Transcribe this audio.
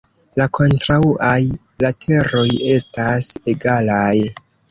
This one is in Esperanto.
La kontraŭaj lateroj estas egalaj.